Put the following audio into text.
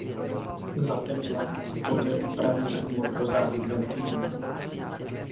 Za tepla se poté upraví hrdlo pro závit ventilů.